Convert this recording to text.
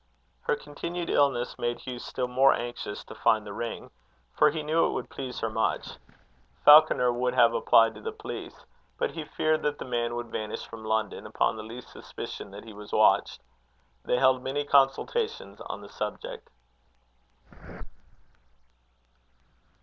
Her continued illness made Hugh still more anxious to find the ring, for he knew it would please her much. Falconer would have applied to the police, but he feared that the man would vanish from London, upon the least suspicion that he was watched. They held many consultations on the subject.